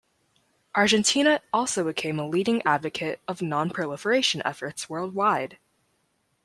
Argentina also became a leading advocate of non-proliferation efforts worldwide.